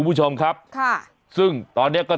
คุณผู้ชมไปดูอีกหนึ่งเรื่องนะคะครับ